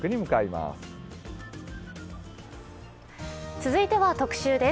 続いては特集です。